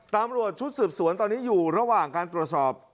ตำรวจชุดสืบสวนตอนนี้อยู่ระหว่างการตรวจสอบ